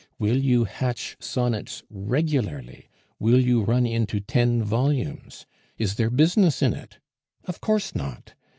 Will you hatch sonnets regularly? Will you run into ten volumes? Is there business in it? Of course not.